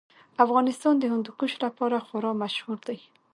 افغانستان د هندوکش لپاره خورا مشهور دی.